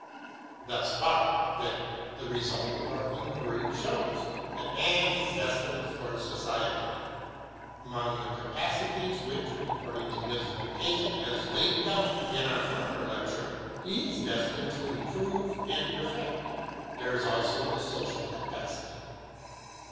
Thus far, then, the result of our inquiries shows, that man is destined for Society; — among the capacities which, according to his vocation as laid down in our former lecture, lie is destined to improve and perfect, there is also the social capacity.